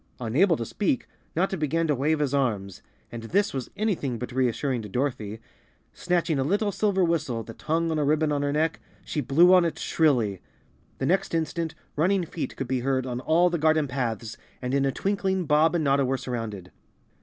Unable to speak, Notta began to wave his arms, and this was anything but reassuring to Dorothy. Snatching a little silver whistle that hung on a ribbon on her neck, she blew on it shrilly. The next instant running feet could be heard on all the garden paths and in a twinkling Bob and Notta were surrounded.